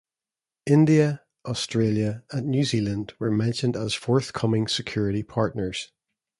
India, Australia, and New Zealand were mentioned as forthcoming security partners.